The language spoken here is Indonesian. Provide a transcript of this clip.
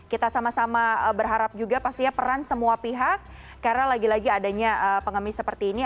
kita sama sama berharap juga pastinya peran semua pihak karena lagi lagi adanya pengemis seperti ini